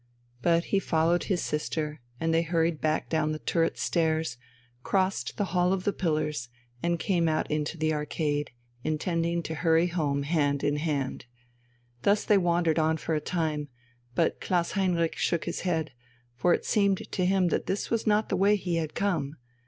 But he followed his sister and they hurried back down the turret stairs, crossed the hall of the pillars, and came out into the arcade, intending to hurry home hand in hand. Thus they wandered on for a time; but Klaus Heinrich shook his head, for it seemed to him that this was not the way he had come.